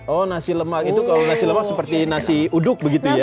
oh nasi lemak itu kalau nasi lemak seperti nasi uduk begitu ya